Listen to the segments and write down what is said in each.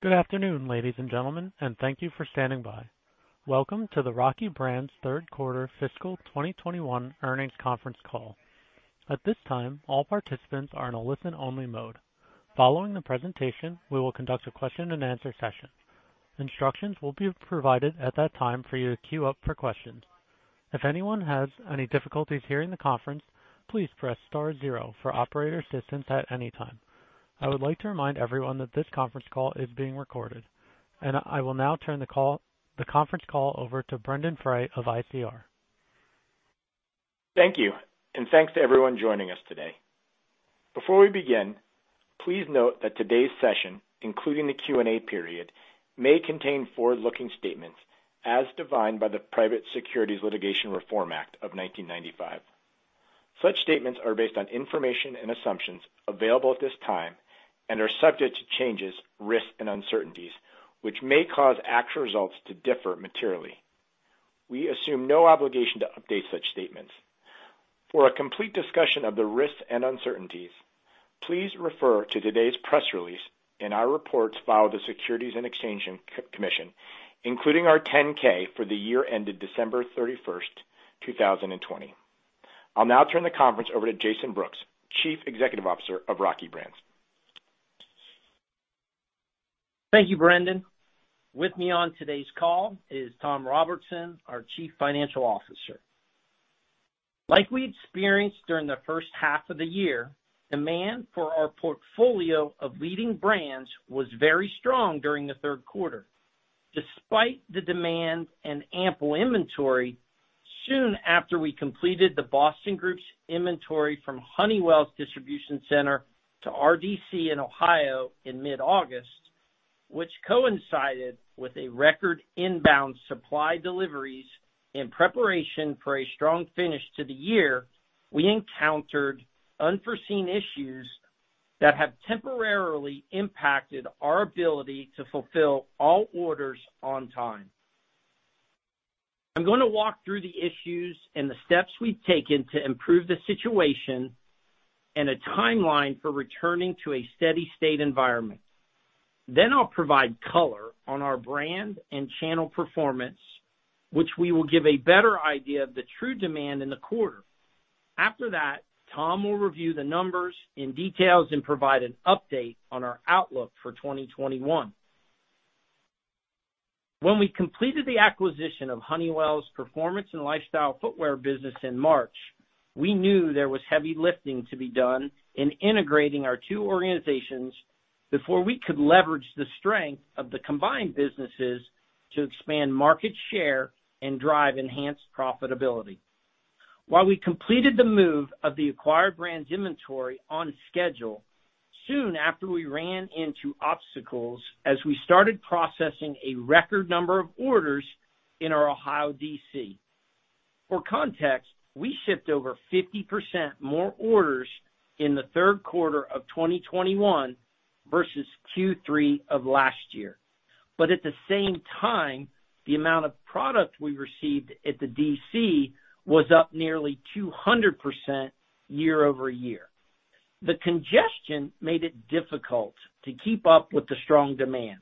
Good afternoon, ladies and gentlemen, and thank you for standing by. Welcome to the Rocky Brands Third Quarter Fiscal 2021 Earnings Conference Call. At this time, all participants are in a listen-only mode. Following the presentation, we will conduct a question-and-answer session. Instructions will be provided at that time for you to queue up for questions. If anyone has any difficulties hearing the conference, please press star zero for operator assistance at any time. I would like to remind everyone that this conference call is being recorded, and I will now turn the conference call over to Brendon Frey of ICR. Thank you. Thanks to everyone joining us today. Before we begin, please note that today's session, including the Q&A period, may contain forward-looking statements as defined by the Private Securities Litigation Reform Act of 1995. Such statements are based on information and assumptions available at this time and are subject to changes, risks, and uncertainties, which may cause actual results to differ materially. We assume no obligation to update such statements. For a complete discussion of the risks and uncertainties, please refer to today's press release and our reports filed with Securities and Exchange Commission, including our 10-K for the year ended December 31, 2020. I'll now turn the conference over to Jason Brooks, Chief Executive Officer of Rocky Brands. Thank you Brendon. With me on today's call is Tom Robertson, our Chief Financial Officer. Like we experienced during the first half of the year, demand for our portfolio of leading brands was very strong during the third quarter. Despite the demand and ample inventory, soon after we completed the Boston Group inventory from Honeywell's distribution center to RDC in Ohio in mid-August, which coincided with a record inbound supply deliveries in preparation for a strong finish to the year, we encountered unforeseen issues that have temporarily impacted our ability to fulfill all orders on time. I'm gonna walk through the issues and the steps we've taken to improve the situation and a timeline for returning to a steady state environment. Then I'll provide color on our brand and channel performance, which will give a better idea of the true demand in the quarter. After that, Tom will review the numbers in detail and provide an update on our outlook for 2021. When we completed the acquisition of Honeywell's performance and lifestyle footwear business in March, we knew there was heavy lifting to be done in integrating our two organizations before we could leverage the strength of the combined businesses to expand market share and drive enhanced profitability. While we completed the move of the acquired brand's inventory on schedule, soon after we ran into obstacles as we started processing a record number of orders in our Ohio DC. For context, we shipped over 50% more orders in the third quarter of 2021 versus Q3 of last year. At the same time, the amount of product we received at the DC was up nearly 200% year-over-year. The congestion made it difficult to keep up with the strong demand.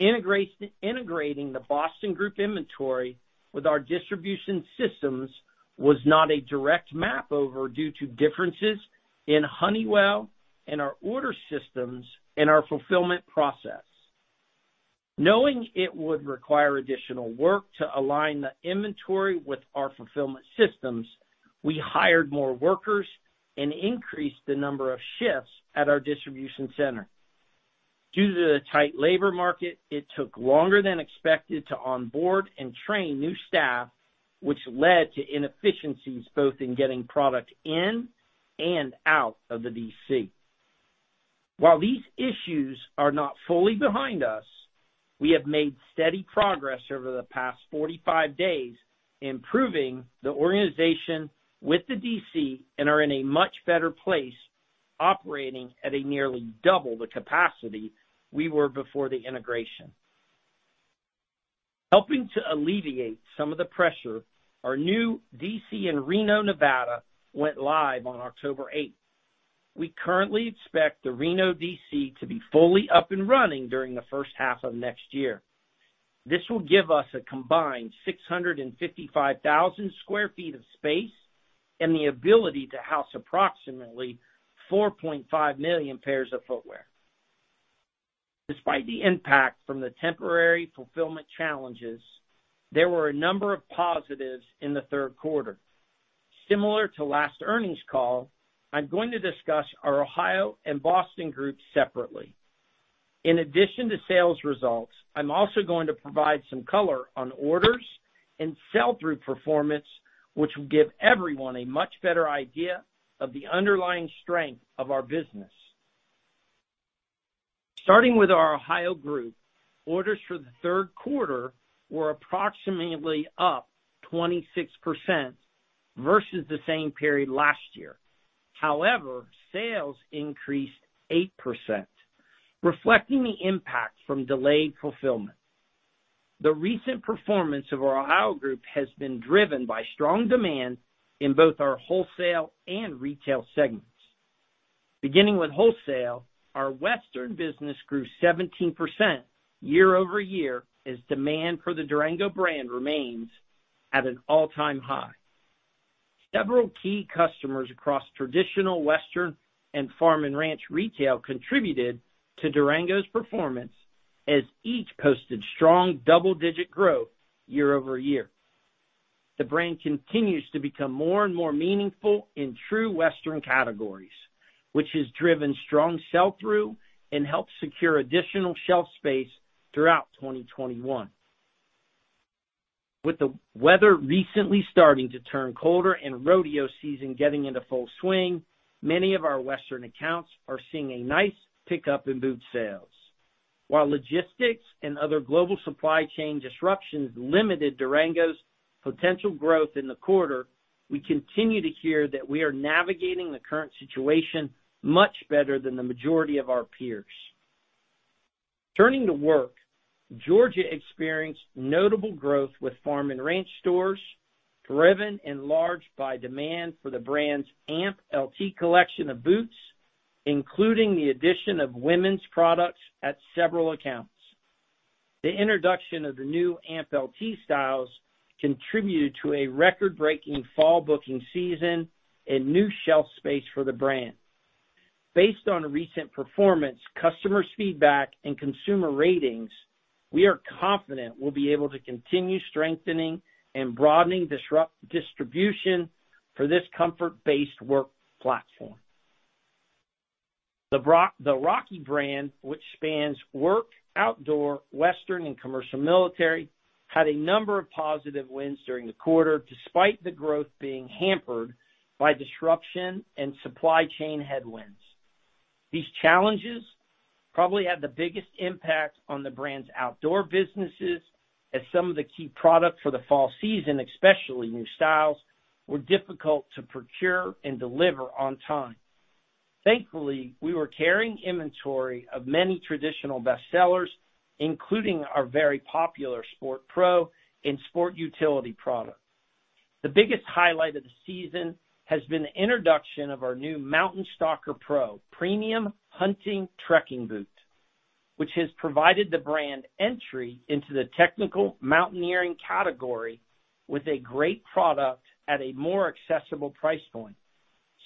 Integrating the Boston Group inventory with our distribution systems was not a direct map over due to differences in Honeywell and our order systems and our fulfillment process. Knowing it would require additional work to align the inventory with our fulfillment systems, we hired more workers and increased the number of shifts at our distribution center. Due to the tight labor market, it took longer than expected to onboard and train new staff, which led to inefficiencies, both in getting product in and out of the DC. While these issues are not fully behind us, we have made steady progress over the past 45 days, improving the organization with the DC and are in a much better place operating at a nearly double the capacity we were before the integration. Helping to alleviate some of the pressure, our new DC in Reno, Nevada went live on October 8. We currently expect the Reno DC to be fully up and running during the first half of next year. This will give us a combined 655,000 sq ft of space and the ability to house approximately 4.5 million pairs of footwear. Despite the impact from the temporary fulfillment challenges, there were a number of positives in the third quarter. Similar to last earnings call, I'm going to discuss our Ohio and Boston groups separately. In addition to sales results, I'm also going to provide some color on orders and sell-through performance, which will give everyone a much better idea of the underlying strength of our business. Starting with our Ohio group, orders for the third quarter were approximately up 26% versus the same period last year. However, sales increased 8%, reflecting the impact from delayed fulfillment. The recent performance of our Ohio Group has been driven by strong demand in both our wholesale and retail segments. Beginning with Wholesale, our Western business grew 17% year-over-year as demand for the Durango brand remains at an all-time high. Several key customers across traditional Western and farm and ranch retail contributed to Durango's performance as each posted strong double-digit growth year-over-year. The brand continues to become more and more meaningful in true Western categories, which has driven strong sell-through and helped secure additional shelf space throughout 2021. With the weather recently starting to turn colder and rodeo season getting into full swing, many of our Western accounts are seeing a nice pickup in boot sales. While logistics and other global supply chain disruptions limited Durango's potential growth in the quarter, we continue to hear that we are navigating the current situation much better than the majority of our peers. Turning to work, Georgia experienced notable growth with farm and ranch stores, driven largely by demand for the brand's AMP LT collection of boots, including the addition of women's products at several accounts. The introduction of the new AMP LT styles contributed to a record-breaking fall booking season and new shelf space for the brand. Based on recent performance, customers' feedback, and consumer ratings, we are confident we'll be able to continue strengthening and broadening distribution for this comfort-based work platform. The Rocky brand, which spans Work, Outdoor, Western, and Commercial Military, had a number of positive wins during the quarter, despite the growth being hampered by disruption and supply chain headwinds. These challenges probably had the biggest impact on the brand's outdoor businesses, as some of the key products for the fall season, especially new styles, were difficult to procure and deliver on time. Thankfully, we were carrying inventory of many traditional bestsellers, including our very popular Sport Pro and Sport Utility product. The biggest highlight of the season has been the introduction of our new MTN Stalker Pro premium hunting trekking boot, which has provided the brand entry into the technical mountaineering category with a great product at a more accessible price point,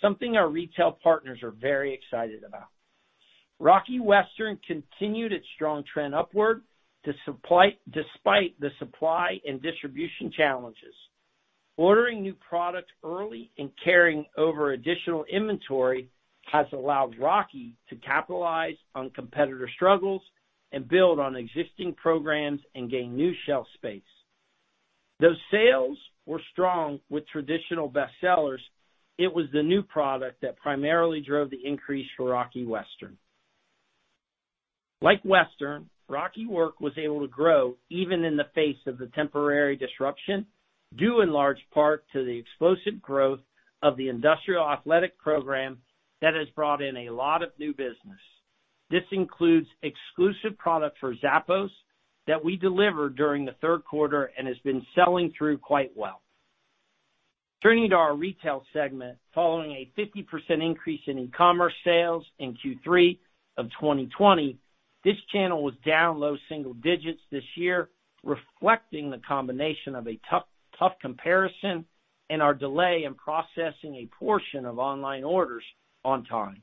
something our retail partners are very excited about. Rocky Western continued its strong trend upward despite the supply and distribution challenges. Ordering new products early and carrying over additional inventory has allowed Rocky to capitalize on competitor struggles and build on existing programs and gain new shelf space. Though sales were strong with traditional bestsellers, it was the new product that primarily drove the increase for Rocky Western. Like Western, Rocky Work was able to grow even in the face of the temporary disruption, due in large part to the explosive growth of the industrial athletic program that has brought in a lot of new business. This includes exclusive product for Zappos that we delivered during the third quarter and has been selling through quite well. Turning to our Retail Segment, following a 50% increase in e-commerce sales in Q3 of 2020, this channel was down low single digits this year, reflecting the combination of a tough comparison and our delay in processing a portion of online orders on time.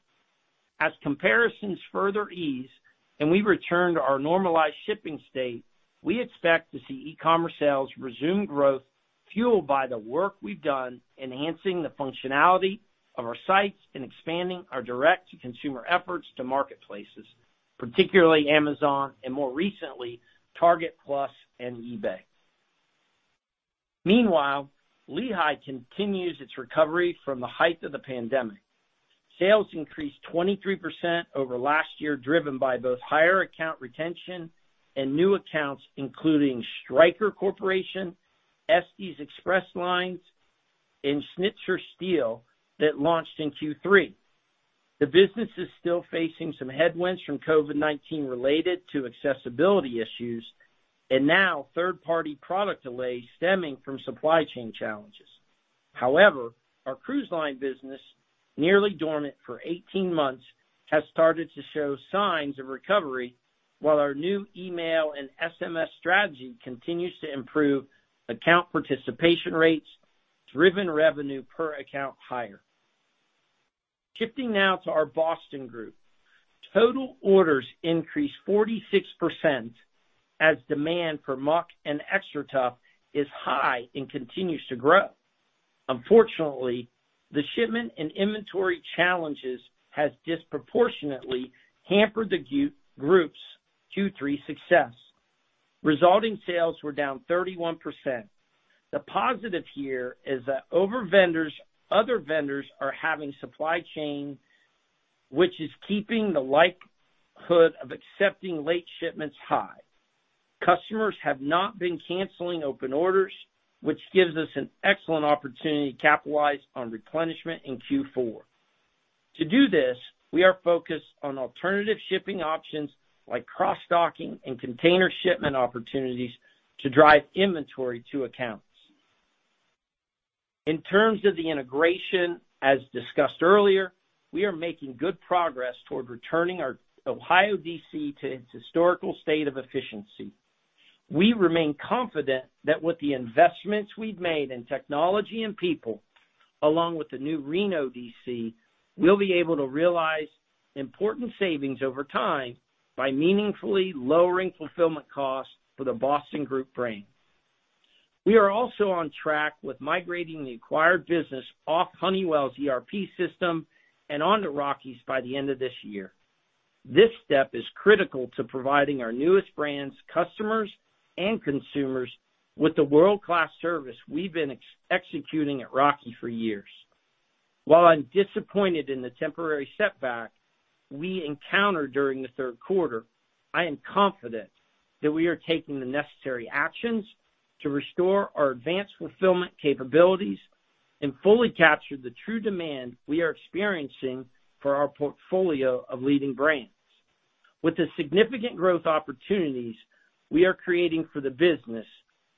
As comparisons further ease and we return to our normalized shipping state, we expect to see e-commerce sales resume growth fueled by the work we've done enhancing the functionality of our sites and expanding our direct-to-consumer efforts to marketplaces, particularly Amazon and more recently, Target Plus and eBay. Meanwhile, Lehigh continues its recovery from the height of the pandemic. Sales increased 23% over last year, driven by both higher account retention and new accounts, including Stryker Corporation, Estes Express Lines, and Schnitzer Steel, that launched in Q3. The business is still facing some headwinds from COVID-19 related to accessibility issues and now third-party product delays stemming from supply chain challenges. However, our cruise line business, nearly dormant for 18 months, has started to show signs of recovery, while our new email and SMS strategy continues to improve account participation rates, driven revenue per account higher. Shifting now to our Boston group. Total orders increased 46% as demand for Muck and XTRATUF is high and continues to grow. Unfortunately, the shipment and inventory challenges has disproportionately hampered the group's Q3 success. Resulting sales were down 31%. The positive here is that other vendors are having supply chain, which is keeping the likelihood of accepting late shipments high. Customers have not been canceling open orders, which gives us an excellent opportunity to capitalize on replenishment in Q4. To do this, we are focused on alternative shipping options like cross-stocking and container shipment opportunities to drive inventory to accounts. In terms of the integration, as discussed earlier, we are making good progress toward returning our Ohio DC to its historical state of efficiency. We remain confident that with the investments we've made in technology and people, along with the new Reno DC, we'll be able to realize important savings over time by meaningfully lowering fulfillment costs for the Boston Group brand. We are also on track with migrating the acquired business off Honeywell's ERP system and onto Rocky's by the end of this year. This step is critical to providing our newest brands, customers, and consumers with the world-class service we've been executing at Rocky for years. While I'm disappointed in the temporary setback we encountered during the third quarter, I am confident that we are taking the necessary actions to restore our advanced fulfillment capabilities and fully capture the true demand we are experiencing for our portfolio of leading brands. With the significant growth opportunities we are creating for the business,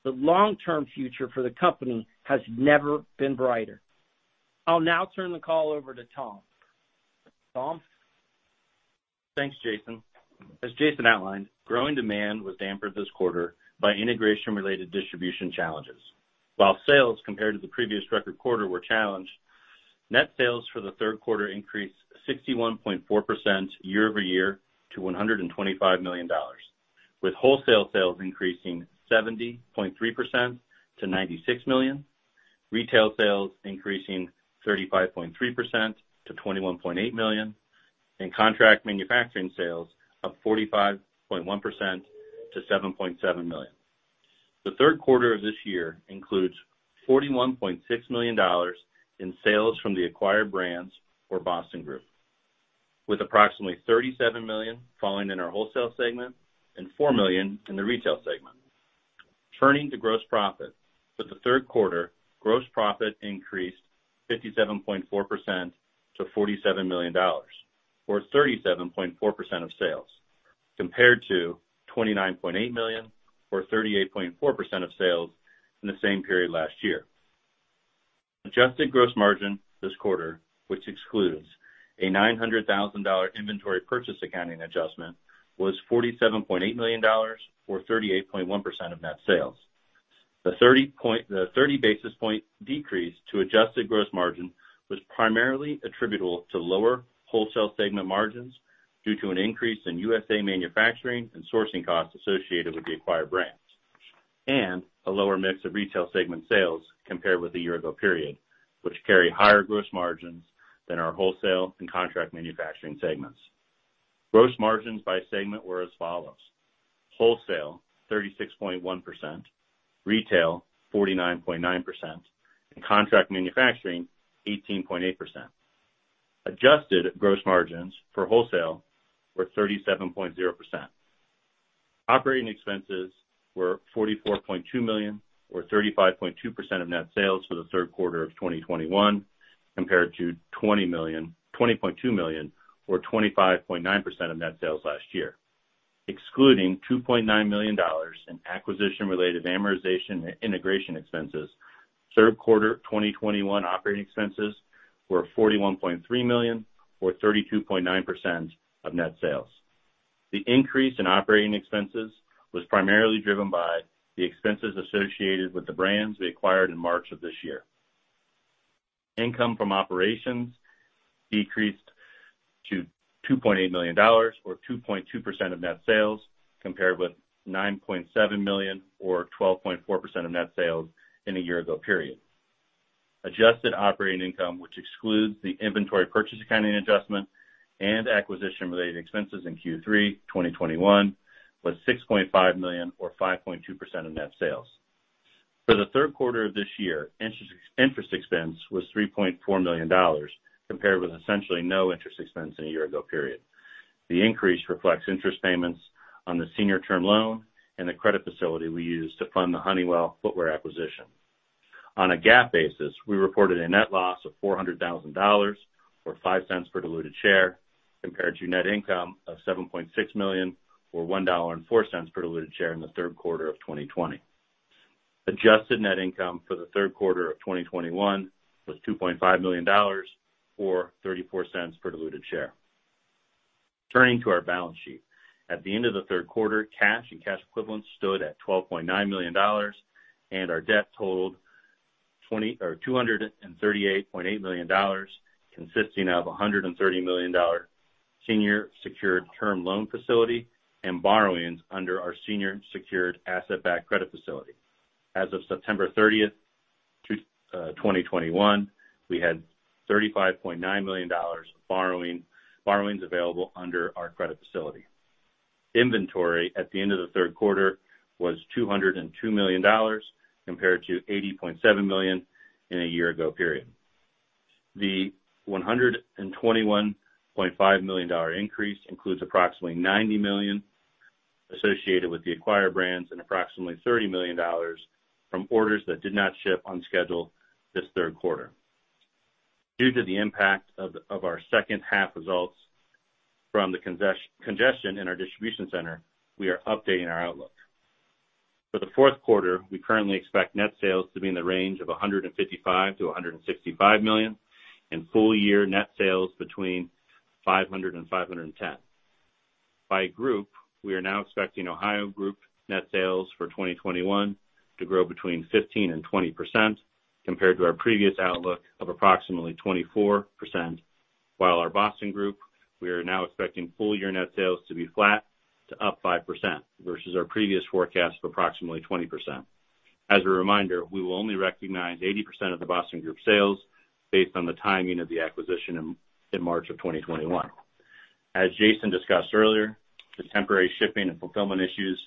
the long-term future for the company has never been brighter. I'll now turn the call over to Tom. Tom? Thanks, Jason. As Jason outlined, growing demand was dampened this quarter by integration-related distribution challenges. While sales compared to the previous record quarter were challenged, net sales for the third quarter increased 61.4% year-over-year to $125 million, with wholesale sales increasing 70.3% to $96 million, retail sales increasing 35.3% to $21.8 million, and contract manufacturing sales up 45.1% to $7.7 million. The third quarter of this year includes $41.6 million in sales from the acquired brands for Boston Group, with approximately $37 million falling in our Wholesale Segment and $4 million in the Retail Segment. Turning to gross profit. For the third quarter, gross profit increased 57.4% to $47 million, or 37.4% of sales, compared to $29.8 million, or 38.4% of sales from the same period last year. Adjusted gross margin this quarter, which excludes a $900,000 inventory purchase accounting adjustment, was $47.8 million, or 38.1% of net sales. The 30 basis point decrease to adjusted gross margin was primarily attributable to lower Wholesale Segment margins due to an increase in U.S. manufacturing and sourcing costs associated with the acquired brands, and a lower mix of Retail Segment sales compared with the year ago period, which carry higher gross margins than our wholesale and contract manufacturing segments. Gross margins by segment were as follows, wholesale 36.1%, retail 49.9%, and contract manufacturing 18.8%. Adjusted gross margins for wholesale were 37.0%. Operating expenses were $44.2 million, or 35.2% of net sales for the third quarter of 2021, compared to $20.2 million, or 25.9% of net sales last year. Excluding $2.9 million in acquisition-related amortization and integration expenses, third quarter 2021 operating expenses were $41.3 million, or 32.9% of net sales. The increase in operating expenses was primarily driven by the expenses associated with the brands we acquired in March of this year. Income from operations decreased to $2.8 million or 2.2% of net sales, compared with $9.7 million or 12.4% of net sales in a year ago period. Adjusted operating income, which excludes the inventory purchase accounting adjustment and acquisition-related expenses in Q3 2021, was $6.5 million or 5.2% of net sales. For the third quarter of this year, interest expense was $3.4 million, compared with essentially no interest expense in a year ago period. The increase reflects interest payments on the senior term loan and the credit facility we used to fund the Honeywell footwear acquisition. On a GAAP basis, we reported a net loss of $400,000 or $0.05 per diluted share, compared to net income of $7.6 million or $1.04 per diluted share in the third quarter of 2020. Adjusted net income for the third quarter of 2021 was $2.5 million or $0.34 per diluted share. Turning to our balance sheet. At the end of the third quarter, cash and cash equivalents stood at $12.9 million, and our debt totaled $238.8 million, consisting of $130 million senior secured term loan facility and borrowings under our senior secured asset-backed credit facility. As of September 30, 2021, we had $35.9 million of borrowings available under our credit facility. Inventory at the end of the third quarter was $202 million compared to $80.7 million in a year ago period. The $121.5 million increase includes approximately $90 million associated with the acquired brands and approximately $30 million from orders that did not ship on schedule this third quarter. Due to the impact of our second half results from the congestion in our distribution center, we are updating our outlook. For the fourth quarter, we currently expect net sales to be in the range of $155 million-$165 million and full year net sales between $500 million and $510 million. By group, we are now expecting Ohio Group net sales for 2021 to grow between 15% and 20% compared to our previous outlook of approximately 24%. While our Boston group, we are now expecting full-year net sales to be flat to up 5% versus our previous forecast of approximately 20%. As a reminder, we will only recognize 80% of the Boston group sales based on the timing of the acquisition in March 2021. As Jason discussed earlier, the temporary shipping and fulfillment issues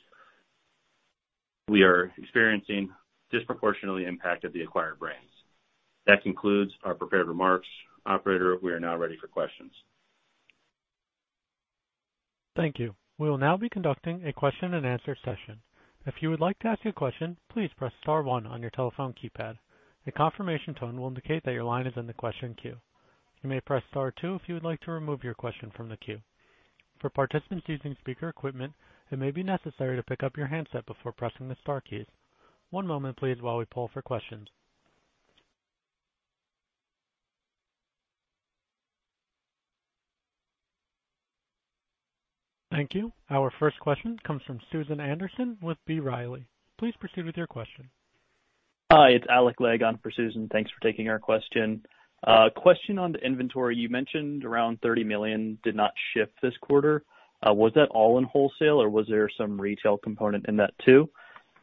we are experiencing disproportionately impacted the acquired brands. That concludes our prepared remarks. Operator, we are now ready for questions. Thank you. We will now be conducting a question and answer session. If you would like to ask a question, please press star one on your telephone keypad. A confirmation tone will indicate that your line is in the question queue. You may press star two if you would like to remove your question from the queue. For participants using speaker equipment, it may be necessary to pick up your handset before pressing the star keys. One moment please while we poll for questions. Thank you. Our first question comes from Susan Anderson with B. Riley. Please proceed with your question. Hi, it's Alec Legg for Susan. Thanks for taking our question. Question on the inventory. You mentioned around $30 million did not ship this quarter. Was that all in wholesale or was there some retail component in that too?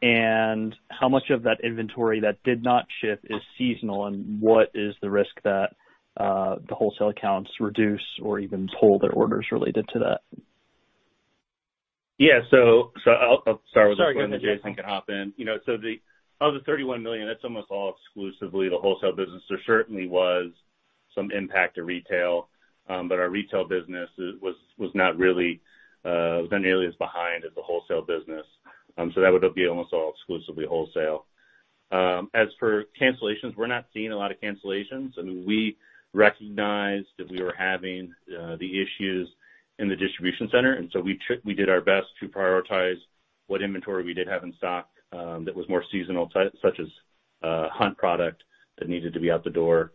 How much of that inventory that did not ship is seasonal, and what is the risk that the wholesale accounts reduce or even pull their orders related to that? Yeah. I'll start with this one, and Jason can hop in. You know, of the $31 million, that's almost all exclusively the wholesale business. There certainly was some impact to retail, but our retail business was not nearly as behind as the wholesale business. That would be almost all exclusively wholesale. As for cancellations, we're not seeing a lot of cancellations. I mean, we recognized that we were having the issues in the distribution center, and we did our best to prioritize what inventory we did have in stock that was more seasonal, such as hunt product that needed to be out the door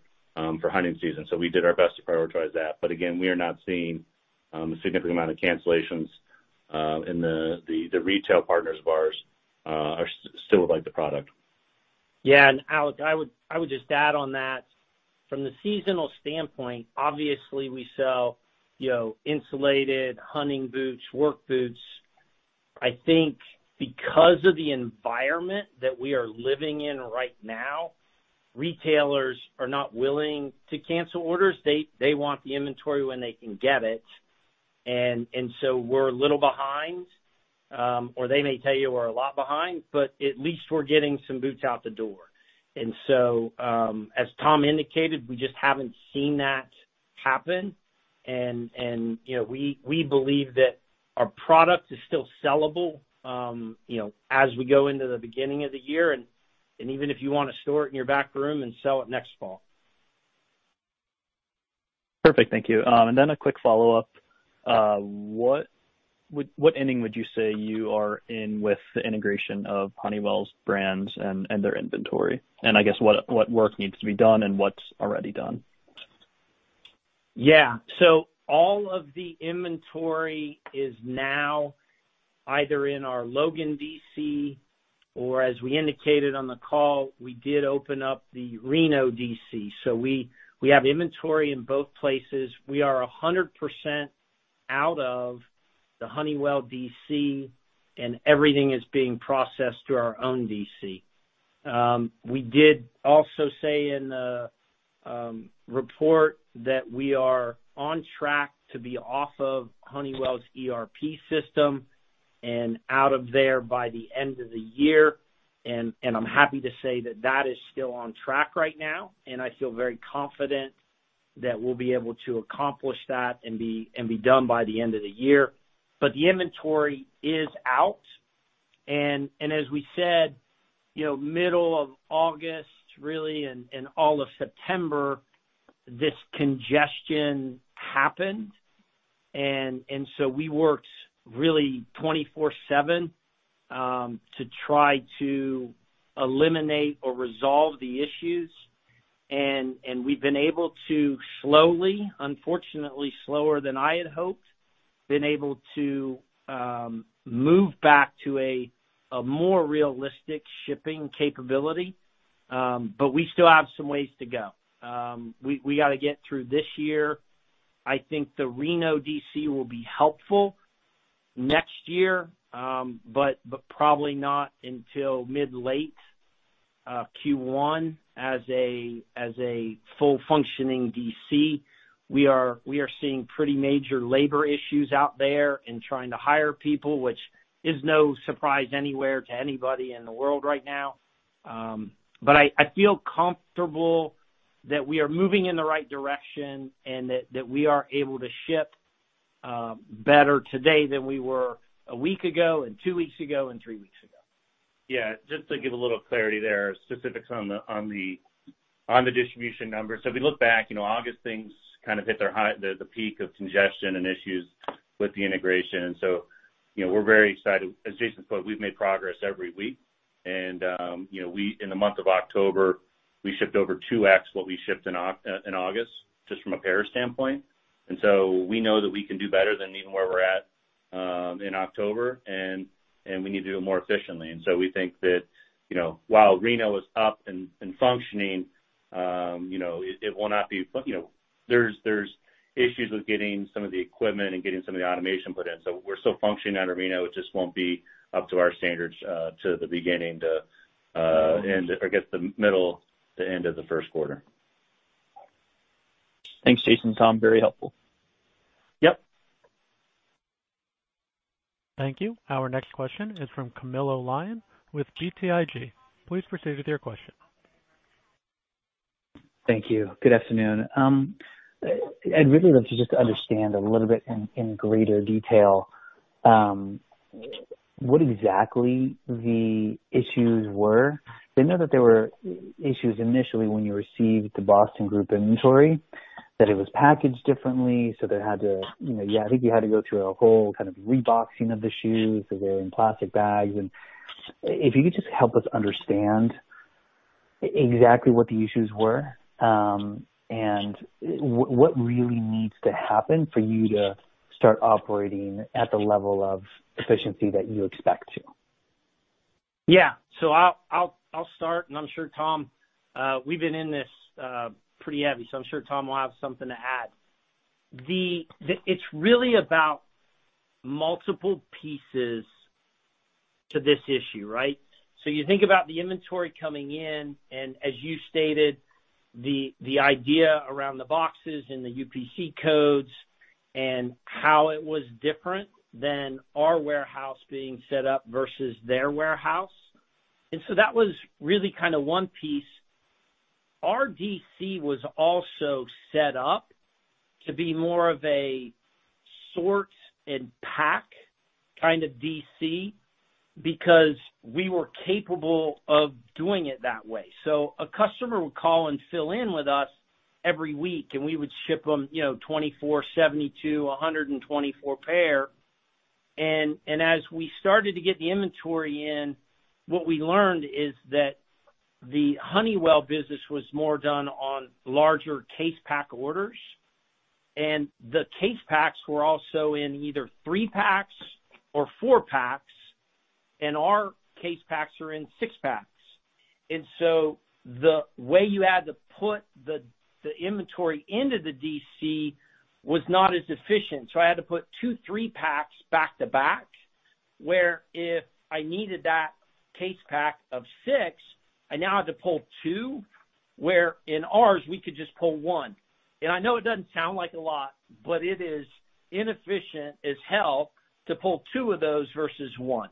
for hunting season. We did our best to prioritize that. Again, we are not seeing a significant amount of cancellations, and the retail partners of ours are still like the product. Alec, I would just add on that from the seasonal standpoint, obviously we sell, you know, insulated hunting boots, work boots. I think because of the environment that we are living in right now, retailers are not willing to cancel orders. They want the inventory when they can get it. So we're a little behind, or they may tell you we're a lot behind, but at least we're getting some boots out the door. As Tom indicated, we just haven't seen that happen. You know, we believe that our product is still sellable, you know, as we go into the beginning of the year and even if you want to store it in your back room and sell it next fall. Perfect. Thank you. A quick follow-up. What inning would you say you are in with the integration of Honeywell's brands and their inventory? I guess what work needs to be done and what's already done? Yeah. All of the inventory is now either in our Logan DC or as we indicated on the call, we did open up the Reno DC. We have inventory in both places. We are 100% out of the Honeywell DC, and everything is being processed through our own DC. We did also say in the report that we are on track to be off of Honeywell's ERP system and out of there by the end of the year. I'm happy to say that that is still on track right now, and I feel very confident that we'll be able to accomplish that and be done by the end of the year. The inventory is out. As we said, you know, middle of August, really, and all of September, this congestion happened. We worked really 24/7 to try to eliminate or resolve the issues. We've been able to slowly, unfortunately slower than I had hoped, been able to move back to a more realistic shipping capability. We still have some ways to go. We gotta get through this year. I think the Reno DC will be helpful next year, probably not until mid-to-late Q1 as a full functioning DC. We are seeing pretty major labor issues out there in trying to hire people, which is no surprise anywhere to anybody in the world right now. I feel comfortable that we are moving in the right direction and that we are able to ship better today than we were a week ago and two weeks ago and three weeks ago. Yeah. Just to give a little clarity there, specifics on the distribution numbers. If we look back, you know, August, things kind of hit their high, the peak of congestion and issues with the integration. We're very excited. As Jason said, we've made progress every week. In the month of October, we shipped over 2x what we shipped in August, just from a pair standpoint. We know that we can do better than even where we're at in October, and we need to do it more efficiently. We think that, you know, while Reno is up and functioning, you know, it will not be. You know, there are issues with getting some of the equipment and getting some of the automation put in. We're still functioning out of Reno. It just won't be up to our standards, or I guess, the middle to end of the first quarter. Thanks, Jason. Tom, very helpful. Yep. Thank you. Our next question is from Camilo Lyon with BTIG. Please proceed with your question. Thank you. Good afternoon I'd really love to just understand a little bit in greater detail what exactly the issues were. I know that there were issues initially when you received the Boston Group inventory, that it was packaged differently, so they had to, you know, yeah, I think you had to go through a whole kind of reboxing of the shoes. They were in plastic bags. If you could just help us understand exactly what the issues were, and what really needs to happen for you to start operating at the level of efficiency that you expect to. Yeah. I'll start, and I'm sure Tom, we've been in this pretty heavy, so I'm sure Tom will have something to add. It's really about multiple pieces to this issue, right? You think about the inventory coming in, and as you stated, the idea around the boxes and the UPC codes and how it was different than our warehouse being set up versus their warehouse. That was really kind of one piece. Our DC was also set up to be more of a sort and pack kind of DC because we were capable of doing it that way. A customer would call and fill in with us every week, and we would ship them, you know, 24, 72, 124 pair. As we started to get the inventory in, what we learned is that the Honeywell business was more done on larger case pack orders, and the case packs were also in either three packs or four packs, and our case packs are in six packs. The way you had to put the inventory into the DC was not as efficient. I had to put two three packs back-to-back, where if I needed that case pack of six, I now have to pull two, where in ours, we could just pull one. I know it doesn't sound like a lot, but it is inefficient as hell to pull two of those versus one.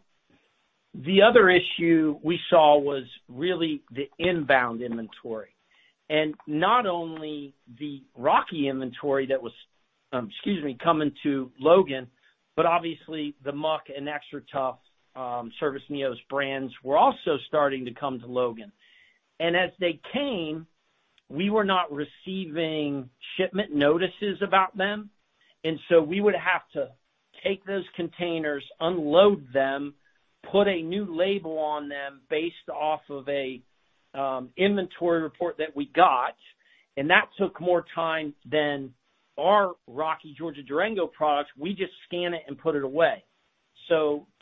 The other issue we saw was really the inbound inventory, and not only the Rocky inventory that was coming to Logan, but obviously the Muck and XTRATUF, Servus, NEOS brands were also starting to come to Logan. As they came, we were not receiving shipment notices about them, and so we would have to take those containers, unload them, put a new label on them based off of a inventory report that we got, and that took more time than our Rocky, Georgia, Durango products. We just scan it and put it away.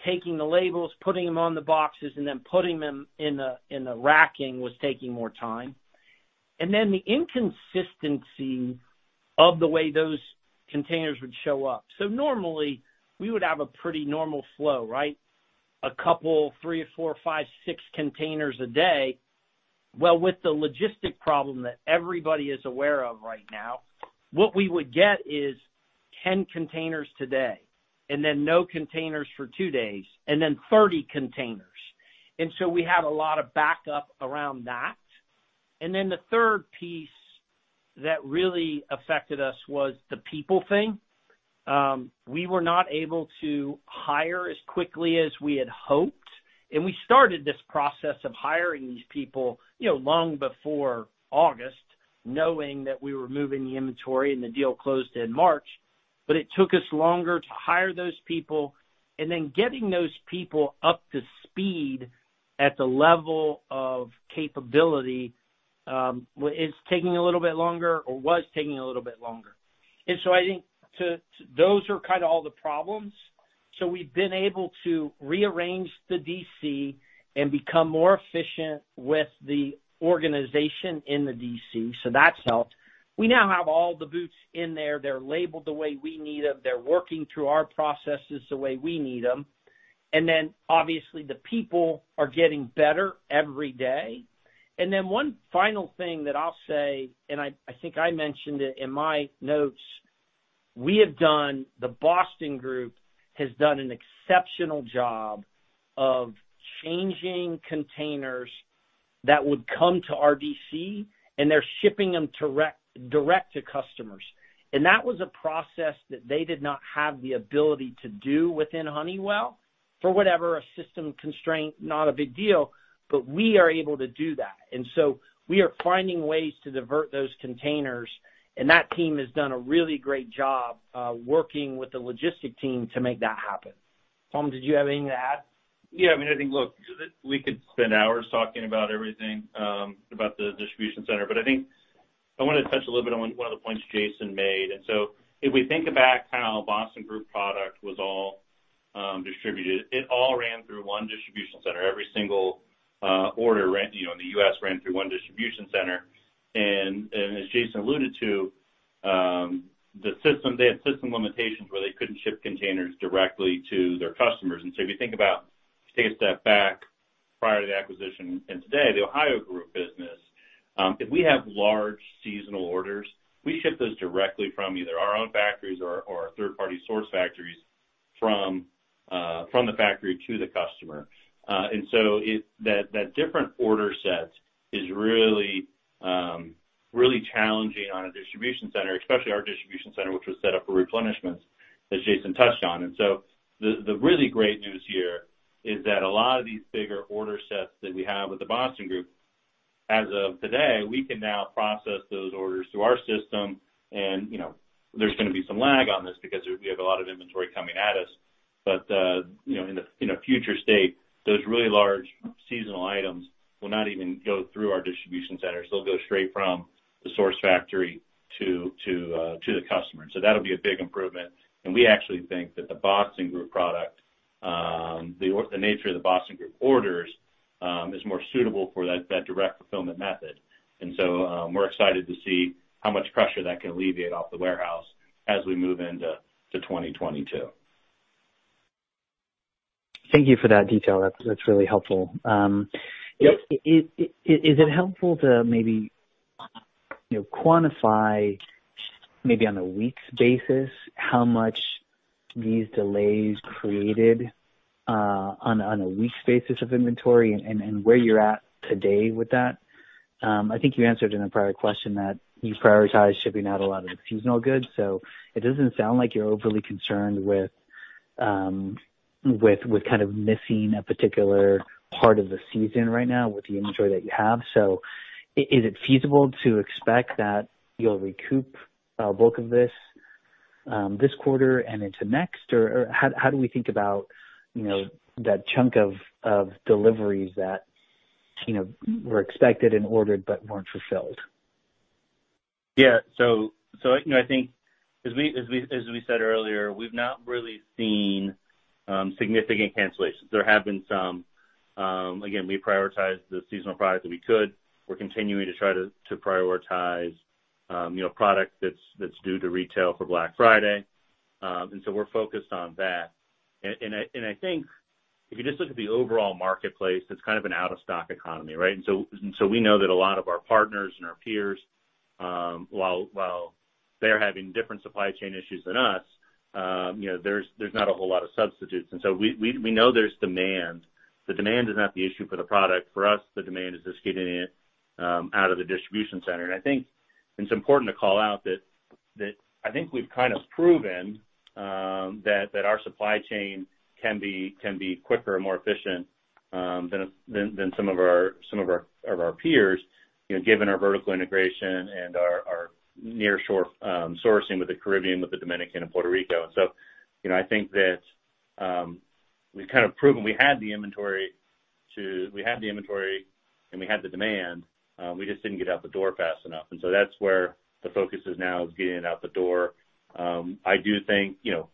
Taking the labels, putting them on the boxes, and then putting them in the racking was taking more time. Then the inconsistency of the way those containers would show up. Normally, we would have a pretty normal flow, right? A couple, three, four, five, six containers a day. Well, with the logistics problem that everybody is aware of right now, what we would get is 10 containers today and then no containers for two days and then 30 containers. We had a lot of backup around that. The third piece that really affected us was the people thing. We were not able to hire as quickly as we had hoped. We started this process of hiring these people, you know, long before August, knowing that we were moving the inventory and the deal closed in March. It took us longer to hire those people and then getting those people up to speed at the level of capability is taking a little bit longer or was taking a little bit longer. I think to... Those are kind of all the problems. We've been able to rearrange the DC and become more efficient with the organization in the DC, so that's helped. We now have all the boots in there. They're labeled the way we need them. They're working through our processes the way we need them. Obviously, the people are getting better every day. Then one final thing that I'll say, and I think I mentioned it in my notes, We've done, the Boston Group has done an exceptional job of changing containers that would come to our DC and they're shipping them direct to customers. That was a process that they did not have the ability to do within Honeywell for whatever, a system constraint, not a big deal, but we are able to do that. We are finding ways to divert those containers, and that team has done a really great job, working with the logistics team to make that happen. Tom, did you have anything to add? Yeah, I mean, I think, look, we could spend hours talking about everything about the distribution center, but I think I want to touch a little bit on one of the points Jason made. If we think back how Boston Group product was all distributed, it all ran through one distribution center. Every single order ran, you know, in the U.S. ran through one distribution center. As Jason alluded to, the system limitations they had where they couldn't ship containers directly to their customers. If you think about, take a step back prior to the acquisition and today, the Ohio Group business, if we have large seasonal orders, we ship those directly from either our own factories or third-party source factories from the factory to the customer. That different order set is really challenging on a distribution center, especially our distribution center, which was set up for replenishments, as Jason touched on. The really great news here is that a lot of these bigger order sets that we have with The Boston Group, as of today, we can now process those orders through our system. You know, there's gonna be some lag on this because we have a lot of inventory coming at us. You know, in a future state, those really large seasonal items will not even go through our distribution centers. They'll go straight from the source factory to the customer. That'll be a big improvement. We actually think that the Boston Group product, the nature of the Boston Group orders, is more suitable for that direct fulfillment method. We're excited to see how much pressure that can alleviate off the warehouse as we move into 2022. Thank you for that detail. That's really helpful. Yep. Is it helpful to maybe quantify maybe on a weeks basis how much these delays created on a weeks basis of inventory and where you're at today with that? I think you answered in a prior question that you prioritize shipping out a lot of the seasonal goods, so it doesn't sound like you're overly concerned with kind of missing a particular part of the season right now with the inventory that you have. Is it feasible to expect that you'll recoup a bulk of this this quarter and into next? Or how do we think about that chunk of deliveries that were expected and ordered but weren't fulfilled? Yeah. You know, I think as we said earlier, we've not really seen significant cancellations. There have been some. Again, we prioritized the seasonal products that we could. We're continuing to try to prioritize you know, product that's due to retail for Black Friday. We're focused on that. I think if you just look at the overall marketplace, it's kind of an out of stock economy, right? We know that a lot of our partners and our peers while they're having different supply chain issues than us you know, there's not a whole lot of substitutes. We know there's demand. The demand is not the issue for the product. For us, the demand is just getting it out of the distribution center. I think it's important to call out that I think we've kind of proven that our supply chain can be quicker and more efficient than some of our peers, you know, given our vertical integration and our near shore sourcing with the Caribbean, with the Dominican and Puerto Rico. You know, I think that we've kind of proven we had the inventory and we had the demand, we just didn't get out the door fast enough. That's where the focus is now is getting it out the door. I do think, you know,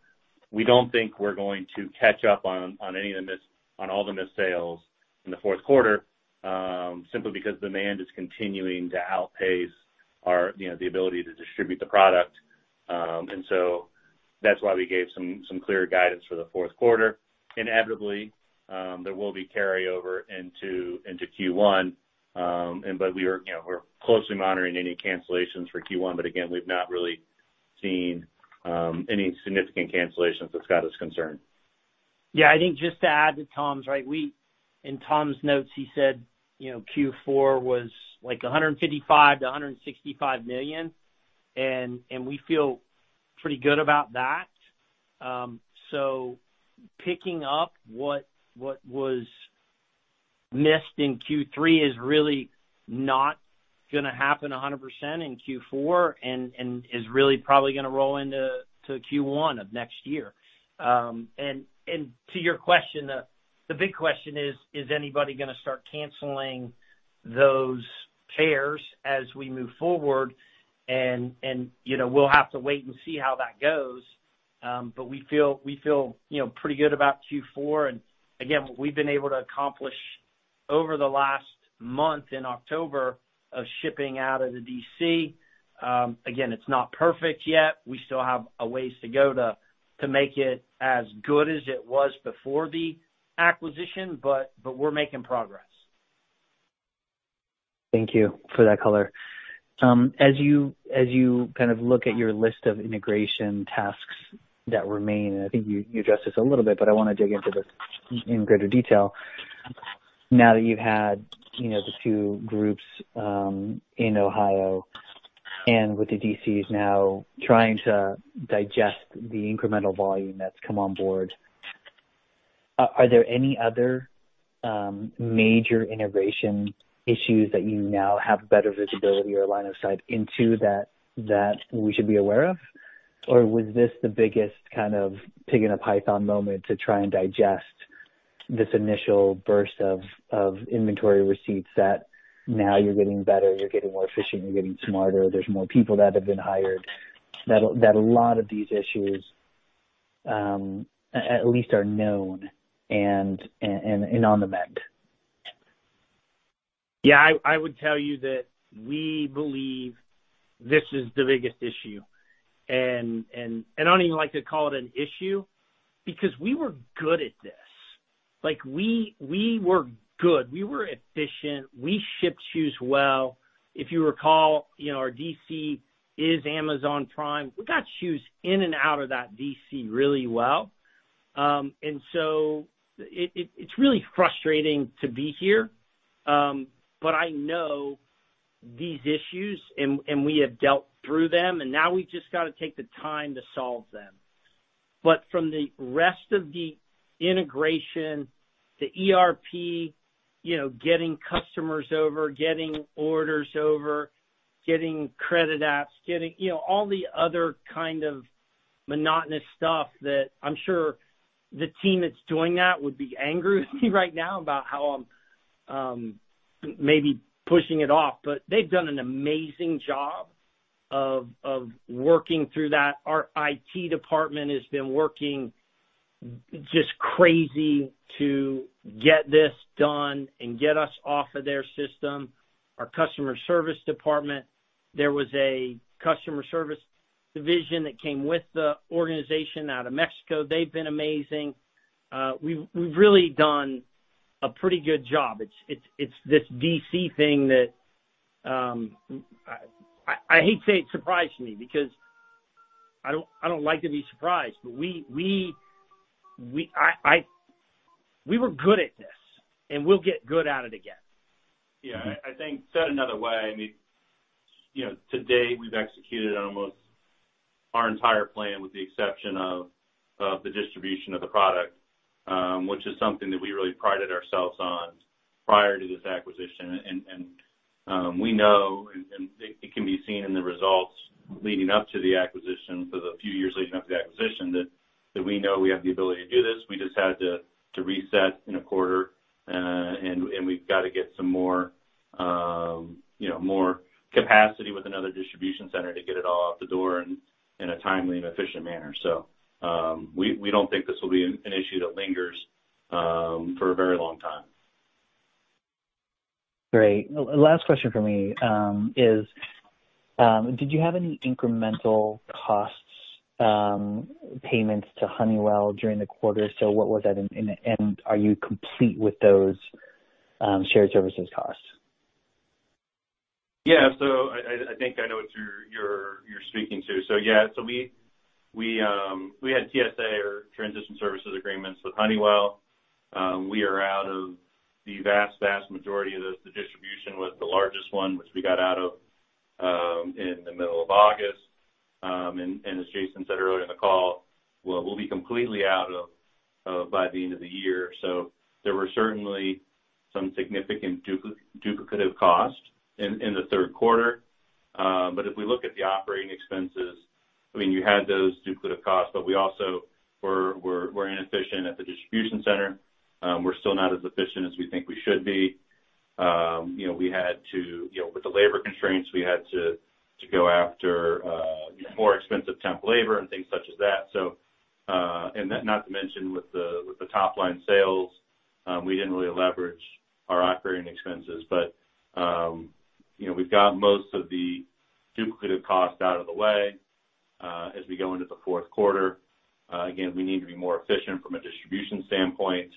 we don't think we're going to catch up on all the missed sales in the fourth quarter, simply because demand is continuing to outpace our, you know, the ability to distribute the product. That's why we gave some clear guidance for the fourth quarter. Inevitably, there will be carryover into Q1. We are, you know, we're closely monitoring any cancellations for Q1, but again, we've not really seen any significant cancellations that's got us concerned. Yeah. I think just to add to Tom's, right? We in Tom's notes, he said, you know, Q4 was like $155 million-$165 million, and we feel pretty good about that. So picking up what was missed in Q3 is really not gonna happen 100% in Q4, and is really probably gonna roll into Q1 of next year. To your question, the big question is anybody gonna start canceling those pairs as we move forward? You know, we'll have to wait and see how that goes. But we feel, you know, pretty good about Q4. Again, what we've been able to accomplish over the last month in October of shipping out of the DC, again, it's not perfect yet. We still have a ways to go to make it as good as it was before the acquisition, but we're making progress. Thank you for that color. As you kind of look at your list of integration tasks that remain, and I think you addressed this a little bit, but I wanna dig into this in greater detail. Now that you've had you know the two groups in Ohio and with the DC now trying to digest the incremental volume that's come on board, are there any other major integration issues that you now have better visibility or line of sight into that we should be aware of? Was this the biggest kind of pig in a python moment to try and digest this initial burst of inventory receipts that now you're getting better, you're getting more efficient, you're getting smarter, there's more people that have been hired that a lot of these issues at least are known and on the mend? Yeah, I would tell you that we believe this is the biggest issue. I don't even like to call it an issue because we were good at this. Like, we were good. We were efficient. We shipped shoes well. If you recall, you know, our DC is Amazon Prime. We got shoes in and out of that DC really well. It's really frustrating to be here. I know these issues and we have dealt through them, and now we've just gotta take the time to solve them. From the rest of the integration, the ERP, you know, getting customers over, getting orders over, getting credit apps, getting, you know, all the other kind of monotonous stuff that I'm sure the team that's doing that would be angry with me right now about how I'm maybe pushing it off, but they've done an amazing job of working through that. Our IT department has been working just crazy to get this done and get us off of their system. Our customer service department, there was a customer service division that came with the organization out of Mexico. They've been amazing. We've really done a pretty good job. It's this DC thing that I hate to say, it surprised me because I don't like to be surprised, but we. I. We were good at this, and we'll get good at it again. I think said another way, I mean, you know, today we've executed on almost our entire plan with the exception of the distribution of the product, which is something that we really prided ourselves on prior to this acquisition. We know it can be seen in the results leading up to the acquisition for the few years leading up to the acquisition, that we know we have the ability to do this. We just had to reset in a quarter. We've got to get some more, you know, more capacity with another distribution center to get it all out the door in a timely and efficient manner. We don't think this will be an issue that lingers for a very long time. Great. Last question from me, did you have any incremental costs, payments to Honeywell during the quarter? What was that? Are you complete with those shared services costs? Yeah. I think I know what you're speaking to. Yeah, we had TSA or transition services agreements with Honeywell. We are out of the vast majority of those. The distribution was the largest one, which we got out of in the middle of August. As Jason said earlier in the call, we'll be completely out of by the end of the year. There were certainly some significant duplicative costs in the third quarter. If we look at the operating expenses, I mean, you had those duplicative costs, but we also were inefficient at the distribution center. We're still not as efficient as we think we should be. You know, with the labor constraints, we had to go after more expensive temp labor and things such as that. Not to mention with the top line sales, we didn't really leverage our operating expenses. You know, we've got most of the duplicative costs out of the way as we go into the fourth quarter. Again, we need to be more efficient from a distribution standpoint.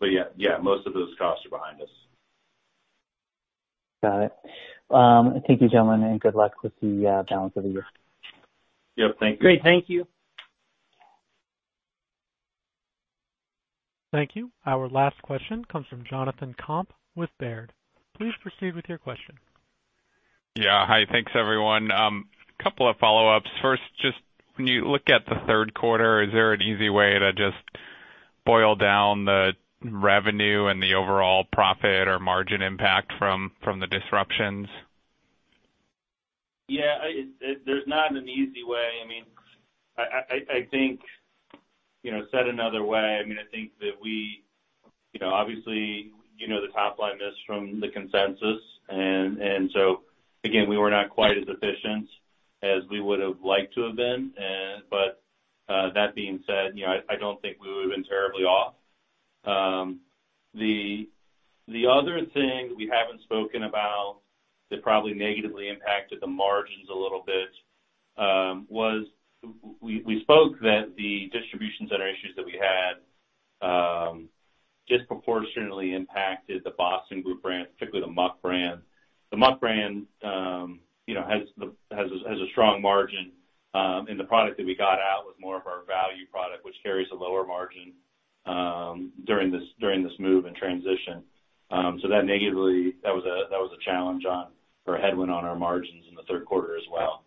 Yeah, most of those costs are behind us. Got it. Thank you, gentlemen, and good luck with the balance of the year. Yep. Thank you. Great. Thank you. Thank you. Our last question comes from Jonathan Komp with Baird. Please proceed with your question. Yeah. Hi. Thanks, everyone. Couple of follow-ups. First, just when you look at the third quarter, is there an easy way to just boil down the revenue and the overall profit or margin impact from the disruptions? Yeah. There's not an easy way. I mean, I think, you know, said another way, I mean, I think that we, you know, obviously, you know, the top line missed from the consensus. So again, we were not quite as efficient as we would've liked to have been. That being said, you know, I don't think we would've been terribly off. The other thing we haven't spoken about that probably negatively impacted the margins a little bit was the distribution center issues that we had disproportionately impacted the Boston Group brand, particularly the Muck brand. The Muck brand, you know, has a strong margin, and the product that we got out was more of our value product, which carries a lower margin, during this move and transition. That was a challenge or a headwind on our margins in the third quarter as well.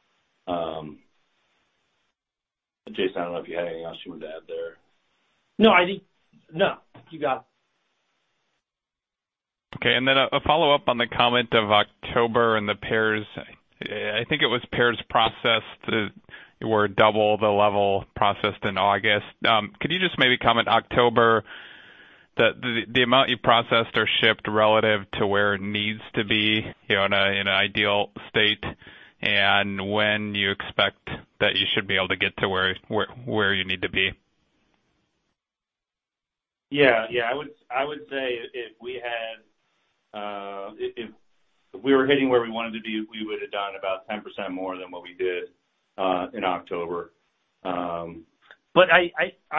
Jason, I don't know if you had anything else you wanted to add there. No, you got it. Okay. A follow-up on the comment of October and the pairs. I think it was pairs processed that were double the level processed in August. Could you just maybe comment on October, the amount you processed or shipped relative to where it needs to be, you know, in an ideal state, and when you expect that you should be able to get to where you need to be? Yeah. I would say if we were hitting where we wanted to be, we would've done about 10% more than what we did in October. I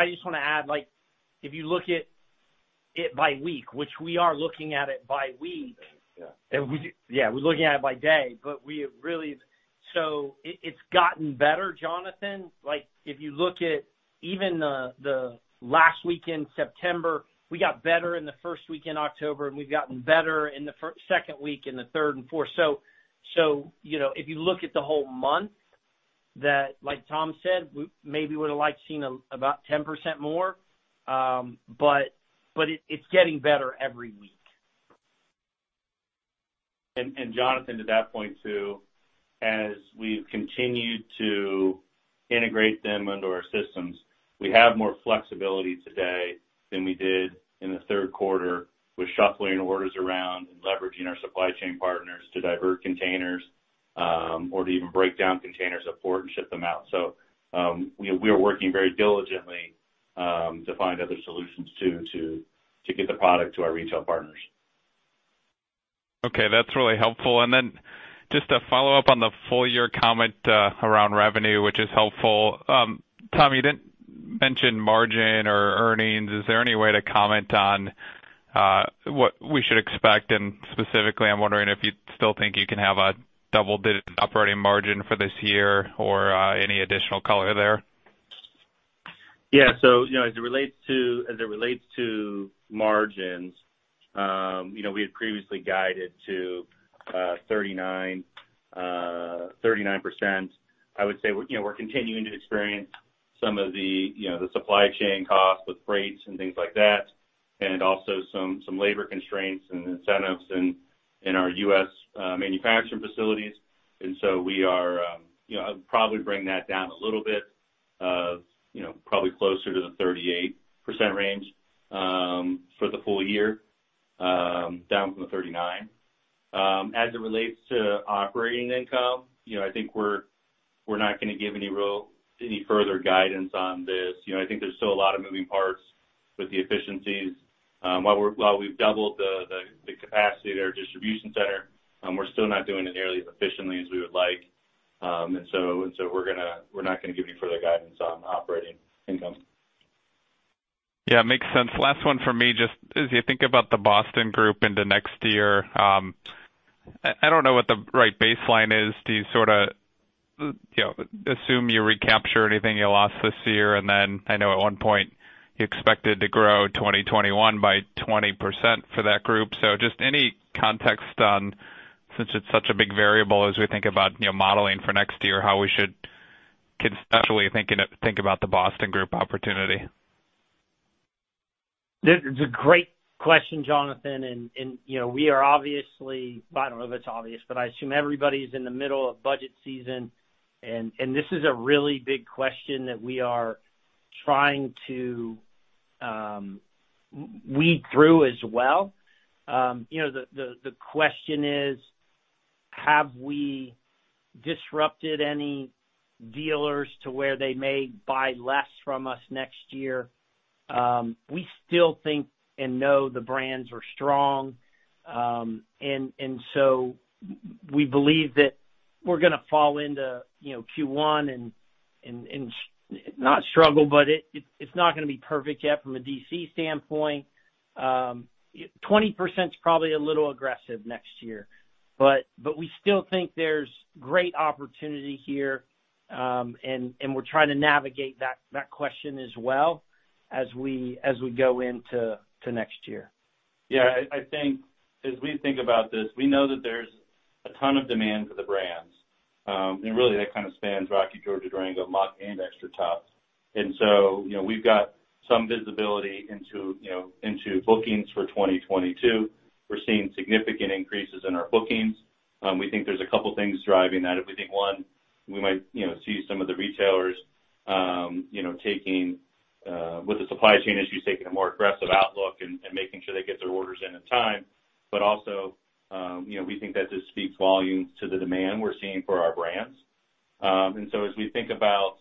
just wanna add, like, if you look at it by week, which we are looking at it by week. Yeah. We're looking at it by day, but it's gotten better, Jonathan. Like, if you look at even the last week in September, we got better in the first week in October, and we've gotten better in the second week and the third and fourth. So, you know, if you look at the whole month, that, like Tom said, we maybe would've liked seeing about 10% more. But it's getting better every week. Jonathan, to that point too, as we've continued to integrate them into our systems, we have more flexibility today than we did in the third quarter with shuffling orders around and leveraging our supply chain partners to divert containers, or to even break down containers at port and ship them out. We are working very diligently to find other solutions to get the product to our retail partners. Okay, that's really helpful. Then just to follow up on the full year comment, around revenue, which is helpful. Tom, you didn't mention margin or earnings. Is there any way to comment on, what we should expect? Specifically, I'm wondering if you still think you can have a double-digit operating margin for this year or, any additional color there. As it relates to margins, we had previously guided to 39%. I would say we're continuing to experience some of the supply chain costs with freights and things like that, and also some labor constraints and incentives in our U.S. manufacturing facilities. I'd probably bring that down a little bit, probably closer to the 38% range for the full year, down from the 39%. As it relates to operating income, I think we're not gonna give any further guidance on this. I think there's still a lot of moving parts with the efficiencies. While we've doubled the capacity of their distribution center, we're still not doing it nearly as efficiently as we would like. We're not gonna give any further guidance on operating income. Yeah, makes sense. Last one for me, just as you think about the Boston Group into next year, I don't know what the right baseline is. Do you sorta, you know, assume you recapture anything you lost this year? And then I know at one point you expected to grow in 2021 by 20% for that group. Just any context on, since it's such a big variable as we think about, you know, modeling for next year, how we should conceptually think about the Boston Group opportunity. This is a great question, Jonathan. You know, we are obviously. I don't know if it's obvious, but I assume everybody's in the middle of budget season and this is a really big question that we are trying to weed through as well. You know, the question is. Have we disrupted any dealers to where they may buy less from us next year? We still think and know the brands are strong. We believe that we're gonna fall into, you know, Q1 and not struggle, but it's not gonna be perfect yet from a DC standpoint. 20% is probably a little aggressive next year, but we still think there's great opportunity here. We're trying to navigate that question as well as we go into next year. Yeah. I think as we think about this, we know that there's a ton of demand for the brands. Really, that kind of spans Rocky, Georgia, Durango, Muck, and XTRATUF. You know, we've got some visibility into bookings for 2022. We're seeing significant increases in our bookings. We think there's a couple things driving that. One, we might, you know, see some of the retailers, you know, with the supply chain issues, taking a more aggressive outlook and making sure they get their orders in time. You know, we think that just speaks volumes to the demand we're seeing for our brands. As we think about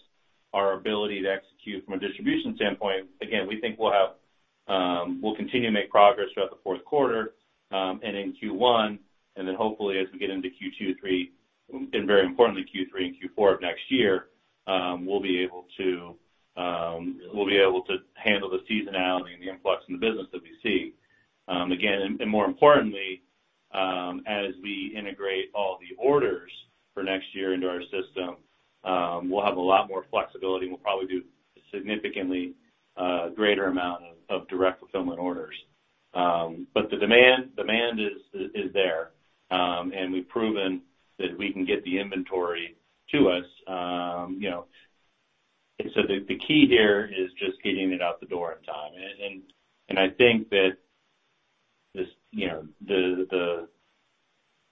our ability to execute from a distribution standpoint, again, we think we'll continue to make progress throughout the fourth quarter and in Q1, and then hopefully as we get into Q2, Q3 and very importantly, Q4 of next year, we'll be able to handle the seasonality and the influx in the business that we see. Again, more importantly, as we integrate all the orders for next year into our system, we'll have a lot more flexibility, and we'll probably do a significantly greater amount of direct fulfillment orders. The demand is there, and we've proven that we can get the inventory to us, you know. The key here is just getting it out the door in time. I think that this you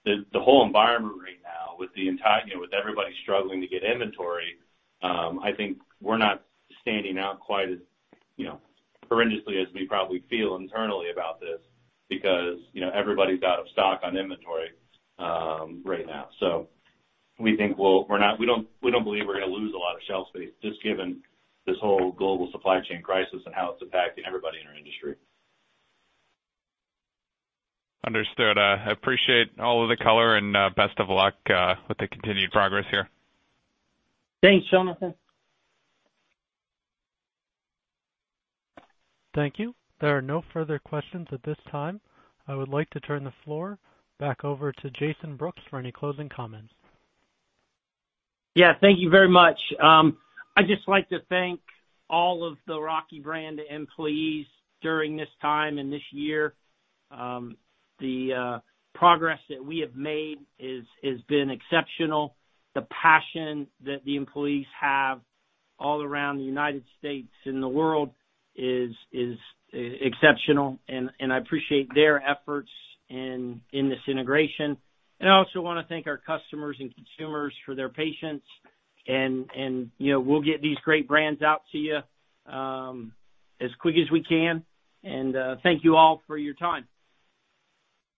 know the whole environment right now with the entire you know with everybody struggling to get inventory. I think we're not standing out quite as you know horrendously as we probably feel internally about this because you know everybody's out of stock on inventory right now. We don't believe we're gonna lose a lot of shelf space just given this whole global supply chain crisis and how it's impacting everybody in our industry. Understood. I appreciate all of the color and best of luck with the continued progress here. Thanks, Jonathan. Thank you. There are no further questions at this time. I would like to turn the floor back over to Jason Brooks for any closing comments. Yeah. Thank you very much. I'd just like to thank all of the Rocky Brands employees during this time and this year. The progress that we have made has been exceptional. The passion that the employees have all around the United States and the world is exceptional, and I appreciate their efforts in this integration. I also wanna thank our customers and consumers for their patience and, you know, we'll get these great brands out to you as quick as we can. Thank you all for your time.